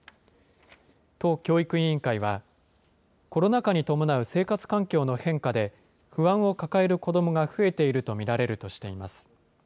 都教育委員会は、コロナ禍に伴う生活環境の変化で、不安を抱える子どもが増えていると見られるとしています。